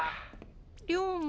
龍馬。